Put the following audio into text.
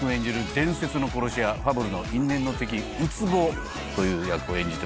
伝説の殺し屋ファブルの因縁の敵宇津帆という役を演じてます。